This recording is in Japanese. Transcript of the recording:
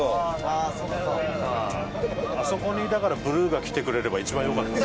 富澤：あそこに、だからブルーが来てくれれば一番よかった。